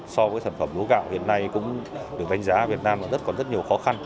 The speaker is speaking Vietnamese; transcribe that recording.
so với sản phẩm lúa gạo hiện nay cũng được đánh giá việt nam có rất nhiều khó khăn